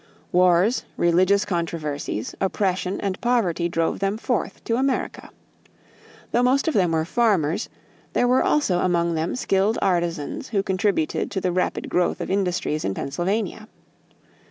Wars, religious controversies, oppression, and poverty drove them forth to America. Though most of them were farmers, there were also among them skilled artisans who contributed to the rapid growth of industries in Pennsylvania.